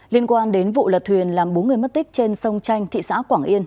liên quan đến vụ lật thuyền làm bốn người mất tích trên sông chanh thị xã quảng yên